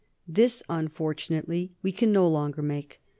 This unfortunately we can no longer make.